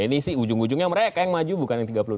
ini sih ujung ujungnya mereka yang maju bukan yang tiga puluh dua